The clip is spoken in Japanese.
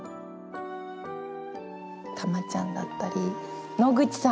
たまちゃんだったり野口さん！